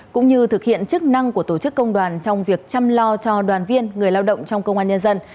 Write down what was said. cũng như thực hiện chức năng của tổ chức công đoàn trong việc chăm lo cho đoàn viên người lao động trong công an nhân dân